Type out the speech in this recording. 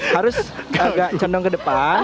harus agak condong ke depan